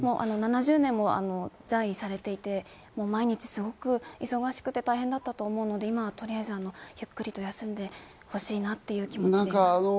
７０年も在位されていて、毎日すごく忙しくて大変だったと思うので、今はとりあえずゆっくりと休んでほしいなっていう気持ちです。